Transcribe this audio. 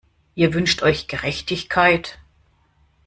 Ihr wünscht euch Gerechtigkeit?